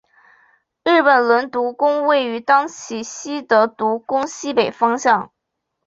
日木伦独宫位于当圪希德独宫西北方向。